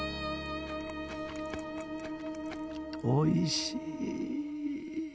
おいしい！